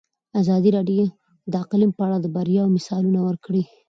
ازادي راډیو د اقلیم په اړه د بریاوو مثالونه ورکړي.